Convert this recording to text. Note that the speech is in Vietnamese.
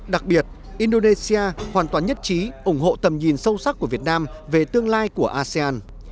đặc biệt indonesia hoàn toàn nhất trí ủng hộ tầm nhìn sâu sắc của việt nam về tương lai của asean